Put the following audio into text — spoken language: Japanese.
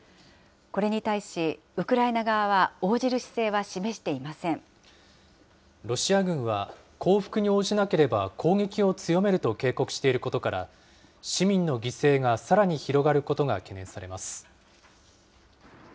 これに対し、ウクライナ側は応じロシア軍は、降伏に応じなければ攻撃を強めると警告していることから、市民の犠牲がさらに広がることが懸念されます。